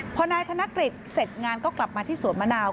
พอนายธนกฤษเสร็จงานก็กลับมาที่สวนมะนาว